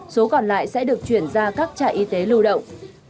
số còn lại sẽ được chuyển ra các trại y tế lưu động